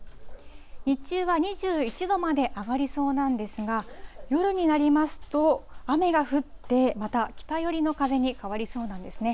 日中は２１度まで上がりそうなんですが、夜になりますと、雨が降って、また北寄りの風に変わりそうなんですね。